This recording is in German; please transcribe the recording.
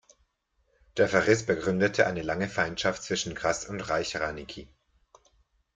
Der Verriss begründete eine lange Feindschaft zwischen Grass und Reich-Ranicki.